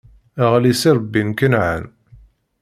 Ɣli s irebbi n Kenɛan.